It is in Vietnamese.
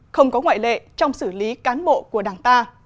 không có ngoại lệ trong xử lý cán bộ của đảng ta